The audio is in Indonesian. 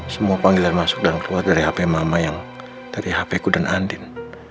semua panggilan masuk dan keluar dari hp mama yang dari hp ku dan andin